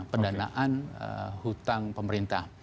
pendanaan hutang pemerintah